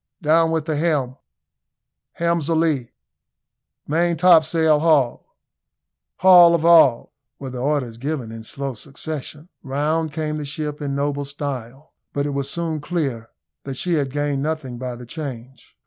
"Down with the helm!" "Helm's a lee!" "Maintopsail haul!" "Haul of all!" were the orders given in slow succession. Round came the ship in noble style, but it was soon clear that she had gained nothing by the change.